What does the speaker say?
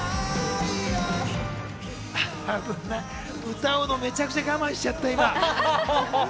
歌うの、めちゃくちゃ我慢しちゃった。